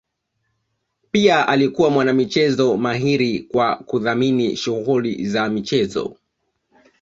pia alikuwa mwana michezo mahiri kwa kudhamini shughuli za michezo